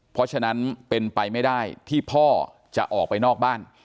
เพราะฉะนั้นเป็นไปไม่ได้ที่พ่อจะออกไปนอกบ้าน